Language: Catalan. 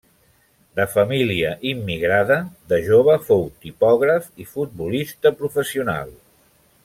De família immigrada, de jove fou tipògraf i futbolista professional.